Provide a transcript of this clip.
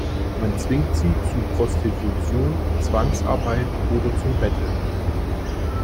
Man zwingt sie zu Prostitution, Zwangsarbeit oder zum Betteln.